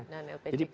dan lpjk lah